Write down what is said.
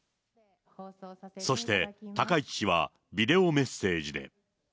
そして、高市氏はビデオメッセージで。